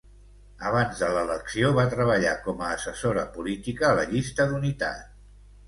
Abans de l'elecció va treballar com a assessora política a la Llista d'Unitat.